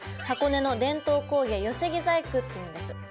箱根の伝統工芸寄木細工っていうんです。